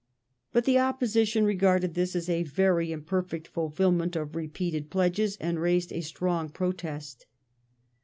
But the Opposition regarded this as a very imperfect fulfilment of repeated pledges, and raised a strong protest.